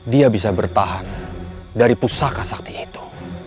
dia bisa bertahan dari pusaka sakti itu